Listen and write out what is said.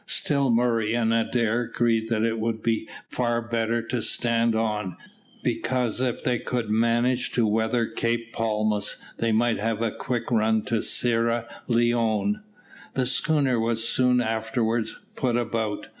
Still Murray and Adair agreed that it would be far better to stand on, because if they could manage to weather Cape Palmas they might have a quick run to Sierra Leone. The schooner was soon afterwards put about.